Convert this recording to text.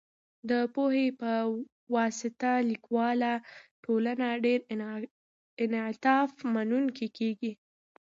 د پوهې په واسطه، کلیواله ټولنه ډیر انعطاف منونکې کېږي.